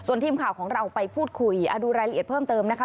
ทีมข่าวของเราไปพูดคุยดูรายละเอียดเพิ่มเติมนะคะ